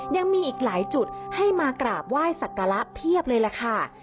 ยังมีอีกหลายจุดให้มากราบไหว้สักการะเพียบเลยล่ะค่ะ